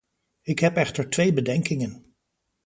Ik heb echter twee bedenkingen.